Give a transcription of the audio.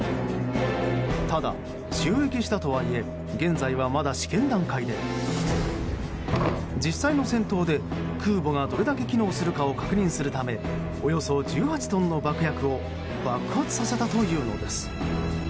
ただ、就役したとはいえ現在はまだ試験段階で実際の戦闘で、空母がどれだけ機能するかを確認するためおよそ１８トンの爆薬を爆発させたというのです。